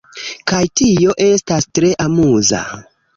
kaj tio estas tre amuza